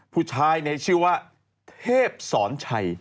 ผู้ชายในชื่อว่าเทพสอนชัย